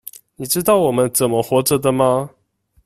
你知道我們怎麼活著的嗎？